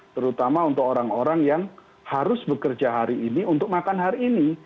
terutama untuk orang orang yang harus bekerja hari ini untuk makan hari ini